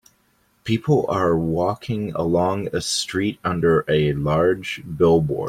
People are walking along a street under a large billboard.